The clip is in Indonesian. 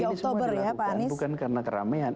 jadi ini semua dilakukan bukan karena keramaian